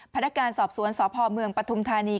พันธการสอบสวนสภเมืองปทุมธานี